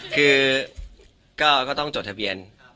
คือก็ต้องจดทะเบียน